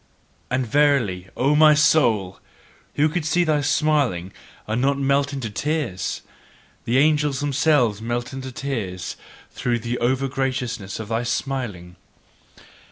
And verily, O my soul! Who could see thy smiling and not melt into tears? The angels themselves melt into tears through the over graciousness of thy smiling.